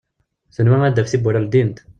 Tenwa ad d-taf tiwwura ldint.